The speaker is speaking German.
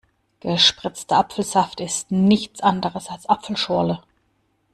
Gespritzter Apfelsaft ist nichts anderes als Apfelschorle.